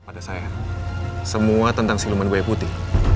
pada saya semua tentang siluman bayi putih